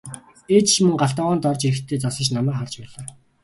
Ээж ч мөн гал тогоонд орж ирэхдээ зогсож намайг харж байлаа.